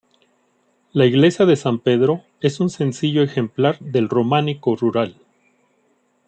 La Iglesia de San Pedro es un sencillo ejemplar del románico rural.